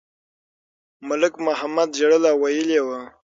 ملک محمد ژړل او ویلي یې وو.